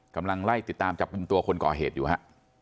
กำลังไล่ติดตามจับกลุ่มตัวคนก่อเหตุอยู่ฮะ